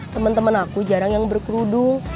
temen temen aku jarang yang berkerudung